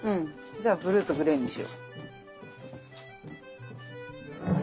じゃあブルーとグレーにしよう。